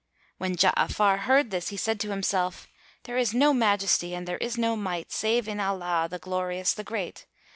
When Ja'afar heard this, he said to himself, "There is no Majesty and there is no Might save in Allah, the Glorious, the Great!